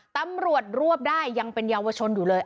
ตำรวจรวบได้ยังเป็นเยาวชนอยู่เลย